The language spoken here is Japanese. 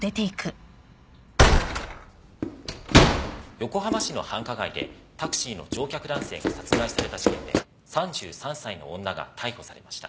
横浜市の繁華街でタクシーの乗客男性が殺害された事件で３３歳の女が逮捕されました。